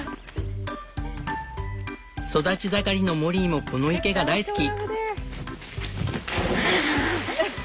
育ち盛りのモリーもこの池が大好き。